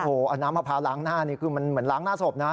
โอ้โหเอาน้ำมะพร้าวล้างหน้านี่คือมันเหมือนล้างหน้าศพนะ